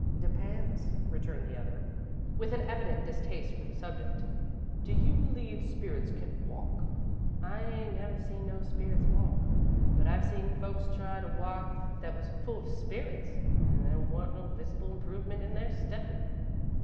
"Depends," returned the other, with an evident distaste for the subject. "Do you believe spirits can walk?" "I ain't never seen no spirits walk, but I've seen folks try to walk that was full of spirits, and there wa'n't no visible improvement in their steppin'."